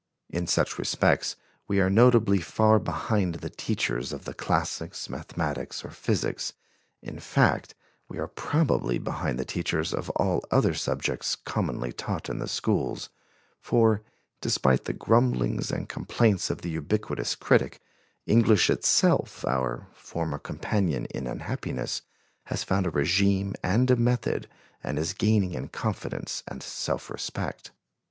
In such respects we are notably far behind the teachers of the classics, mathematics or physics; in fact, we are probably behind the teachers of all other subjects commonly taught in the schools, for, despite the grumblings and complaints of the ubiquitous critic, English itself, our former companion in unhappiness, has found a régime and a method and is gaining in confidence and self respect.